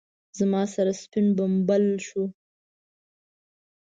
زما سر سپين بمبل شو.